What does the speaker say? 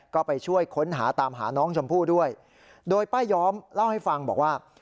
ก็ไปช่วยค้นหาตามหาน้องชมพู่ด้วยโดยป้าย้อมเล่าให้ฟังบอกว่า